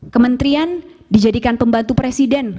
kementerian dijadikan pembantu presiden